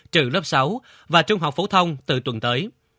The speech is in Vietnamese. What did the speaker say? trừ lớp sáu và trung học phổ thông từ tuần tới